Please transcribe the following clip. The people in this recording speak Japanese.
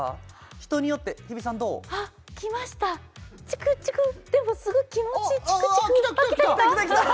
人によって日比さんどう？あっきましたチクチクでもすごく気持ちいいあああっきたきたきた！